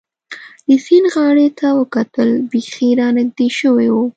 د سیند غاړې ته وکتل، بېخي را نږدې شوي و.